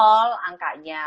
nol angkanya kemungkinannya